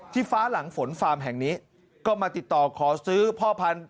ฟ้าหลังฝนฟาร์มแห่งนี้ก็มาติดต่อขอซื้อพ่อพันธุ